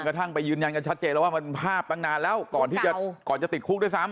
กระทั่งไปยืนยันกันชัดเจนแล้วว่ามันภาพตั้งนานแล้วก่อนที่จะก่อนจะติดคุกด้วยซ้ำ